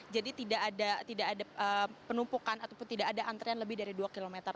jadi tidak ada penumpukan ataupun tidak ada antrian lebih dari dua km